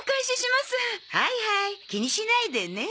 はいはい気にしないでね。